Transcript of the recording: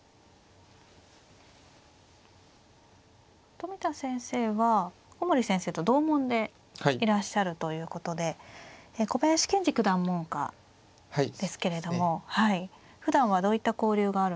冨田先生は古森先生と同門でいらっしゃるということで小林健二九段門下ですけれどもふだんはどういった交流があるんですか。